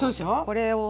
これを。